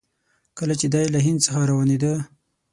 کله چې دی له هند څخه روانېده.